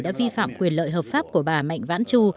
đã vi phạm quyền lợi hợp pháp của bà mạnh vãn chu